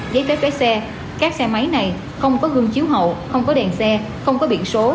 giấy phép vé xe các xe máy này không có gương chiếu hậu không có đèn xe không có biện số